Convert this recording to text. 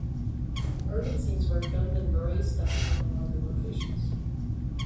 Urban scenes were filmed in various downtown London locations.